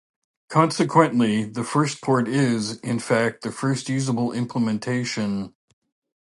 Consequently, the first port is, in fact, the first usable implementation.